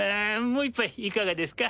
もう１杯いかがですか？